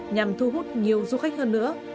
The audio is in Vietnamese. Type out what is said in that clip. nhằm thu hút nhiều du khách hơn nữa